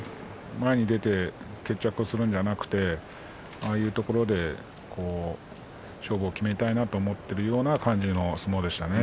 前に出て決着をするんじゃなくてああいうところで勝負を決めたいなと思っているような感じの相撲でしたね。